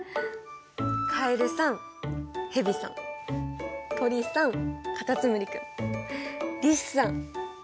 カエルさんヘビさん鳥さんカタツムリ君リスさん。